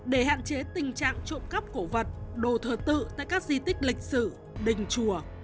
để hạn chế tình trạng trộm cắp cổ vật đồ thờ tự tại các di tích lịch sử đình chùa